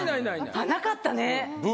なかったね。